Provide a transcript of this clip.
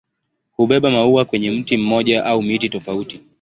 Hubeba maua kwenye mti mmoja au miti tofauti.